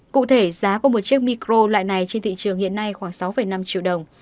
cụ thể giá của một chiếc micro loại này trên thị trường hiện nay khoảng sáu năm triệu đồng